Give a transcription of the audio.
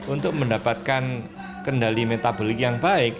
untuk mendapatkan kendali metabolik yang baik